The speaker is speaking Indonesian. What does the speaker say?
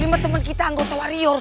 lima temen kita anggota wario